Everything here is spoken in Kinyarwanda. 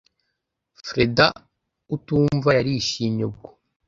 Freda utumva yarishimye ubwo